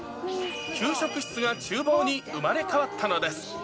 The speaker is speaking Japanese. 給食室がちゅう房に生まれ変わったのです。